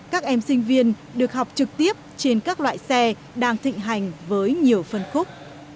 các em sinh viên được học trực tiếp trên các loại xe đang thịnh hành với nhiều phân khúc